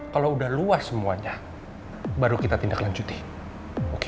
kalau udah luas semuanya baru kita tindak lanjuti oke